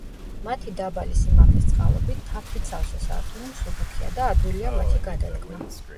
მათი დაბალი სიმაღლის წყალობით თაფლით სავსე სართული მსუბუქია და ადვილია მათი გადადგმა.